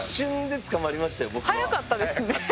早かったですね。